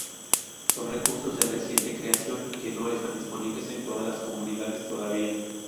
Son recursos de reciente creación que no están disponibles en todas las comunidades todavía.